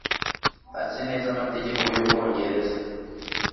azi neza amateka y'ubwongereza